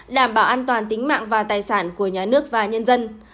đảm bảo an toàn tính mạng và tài sản của nhà nước và nhân dân